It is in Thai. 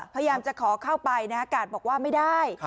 พยายามจะขอเข้าไปนะฮะกาดบอกว่าไม่ได้